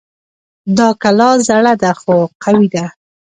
دا کلا زړه ده خو قوي ده